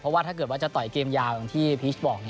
เพราะว่าถ้าเกิดจะต่อยเกมยาวที่พีชบอก